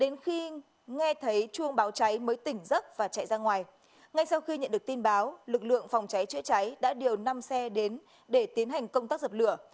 người dân thấy chuông báo cháy mới tỉnh giấc và chạy ra ngoài ngay sau khi nhận được tin báo lực lượng phòng cháy chữa cháy đã điều năm xe đến để tiến hành công tác dập lửa